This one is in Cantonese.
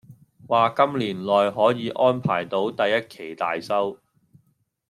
話今年內可以安排到第一期大修